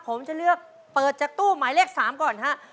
ผมจะเลือกเปิดจากตู้หมายเลข๓ก่อนฮะ